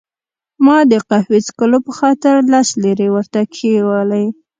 ما د قهوې څښلو په خاطر لس لیرې ورته کښېښوولې.